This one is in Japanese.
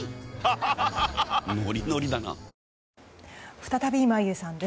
再び、眞家さんです。